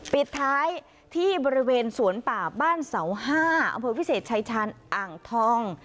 ปิดท้ายที่บริเวณสวนป่าบ้านเสาห้าอำเภอวิเศษชายชาญอ่างทอง